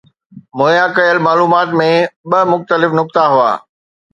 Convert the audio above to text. مهيا ڪيل معلومات ۾ ٻه مختلف نقطا هئا